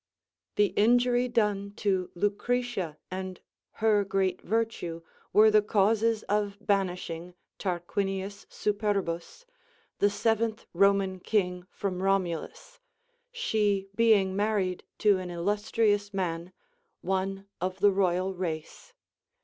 The injury done to Lucretia and her great virtue Avere the causes of banishing Tarquinius Superbus, the seventh Roman king from Romulus, she being married to an illus trious man, one of the royal race.